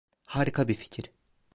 Harika bir fikir.